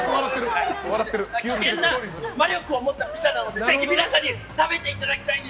危険な魔力を持ったピザなのでぜひ皆さんに食べていただきたいんです！